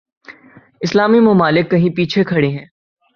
اسلامی ممالک کہیں پیچھے کھڑے ہیں۔